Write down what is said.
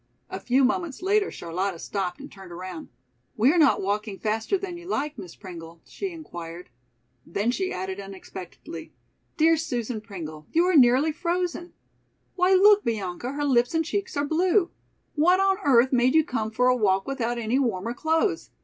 A few moments later Charlotta stopped and turned around. "We are not walking faster than you like, Miss Pringle?" she inquired. Then she added unexpectedly. "Dear Susan Pringle, you are nearly frozen. Why look, Bianca, her lips and cheeks are blue! What on earth made you come for a walk without any warmer clothes?